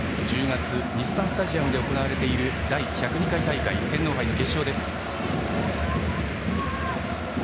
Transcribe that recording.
１０月の日産スタジアムで行われている第１０２回大会天皇杯の決勝です。